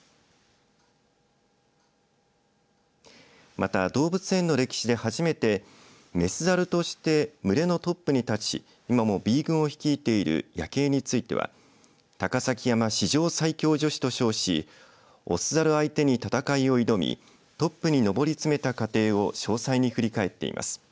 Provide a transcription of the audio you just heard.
また、動物園の歴史で初めて雌猿として群れのトップに立ち今もＢ群を率いているヤケイについては高崎山史上最恐女子と称し雄猿相手に戦いを挑みトップに上り詰めた過程を詳細に振り返っています。